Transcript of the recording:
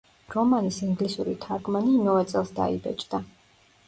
რომანის ინგლისური თარგმანი იმავე წელს დაიბეჭდა.